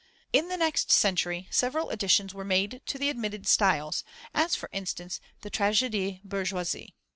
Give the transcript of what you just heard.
In the next century, several additions were made to the admitted styles, as for instance the "tragédie bourgeoise."